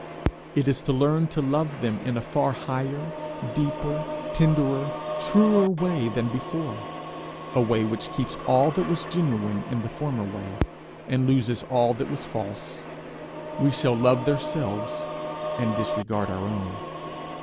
It is to learn to love them in a far higher, deeper, tenderer, truer way than before a way which keeps all that was genuine in the former way, and loses all that was false. We shall love their selves, and disregard our own.